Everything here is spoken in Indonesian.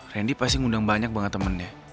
randy pasti ngundang banyak banget temennya